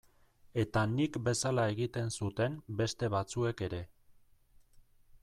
Eta nik bezala egiten zuten beste batzuek ere.